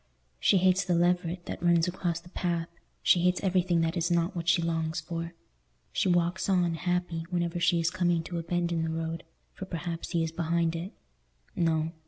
She hates the leveret that runs across the path; she hates everything that is not what she longs for. She walks on, happy whenever she is coming to a bend in the road, for perhaps he is behind it. No.